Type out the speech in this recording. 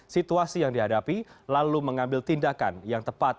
situasi yang dihadapi lalu mengambil tindakan yang tepat